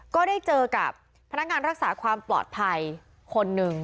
ก็ได้เจอกับพนักงานรักษาความปลอดภัยคนหนึ่ง